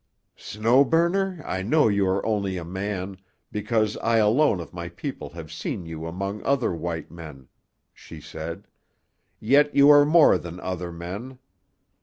"Snow Burner, I know you are only a man, because I alone of my people have seen you among other white men," she said. "Yet you are more than other men.